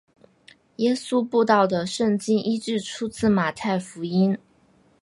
耶稣步道的圣经依据出自马太福音。